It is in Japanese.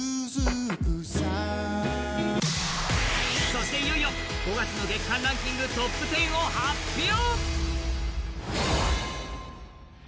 そしていよいよ５月の月間ランキングトップ１０を発表。